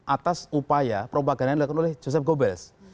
atas upaya propaganda yang dilakukan oleh joseph gobes